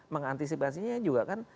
mengantisipasinya juga kan